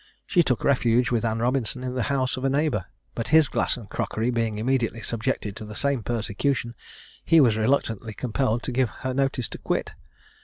She took refuge with Anne Robinson in the house of a neighbour; but his glass and crockery being immediately subjected to the same persecution, he was reluctantly compelled to give her notice to quit.